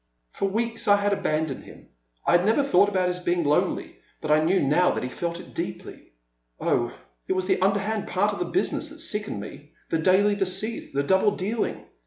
For weeks I had abandoned him ; I never thought about his being lonely, but I knew now that he had felt it deeply. Oh, it was the underhand part of the business that sickened me, the daily deceit, the double dealing.